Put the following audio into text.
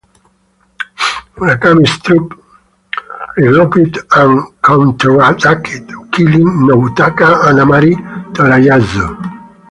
Murakami's troop regrouped and counterattacked, killing Nobutaka and Amari Torayasu.